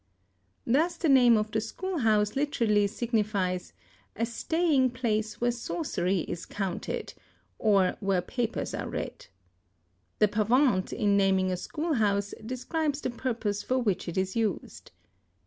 Thus the name of the school house literally signifies a staying place where sorcery is counted, or where papers are read. The Pavänt in naming a school house describes the purpose for which it is used.